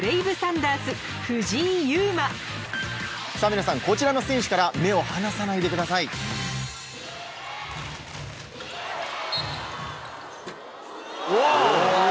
皆さんこちらの選手から目を離さないでください。わぉ！